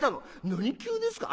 『何級ですか？』。